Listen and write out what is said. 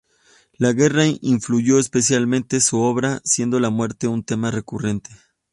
La guerra influyó especialmente su obra, siendo la muerte un tema recurrente.